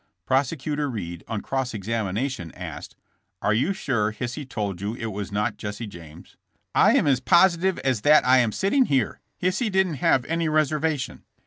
Prosecutor Reed, on cross examination, asked: Are you sure Hisey told you it was not Jesse James?" "I am as positive as that I am sitting here. Hisey didn't have any reservation.